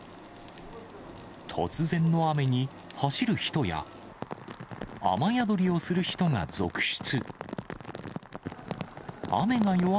突然の雨に、走る人や、雨宿りをする人が続出。